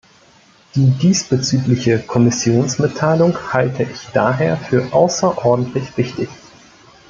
Die diesbezügliche Kommissionsmitteilung halte ich daher für außerordentlich wichtig.